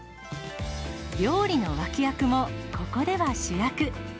料理の脇役もここでは主役。